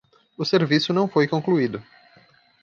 O serviço não foi concluído